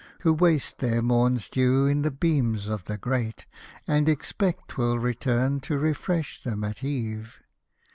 Who waste their morn's dew in the beams of the Great, And expect 'twill return to refresh them at eve.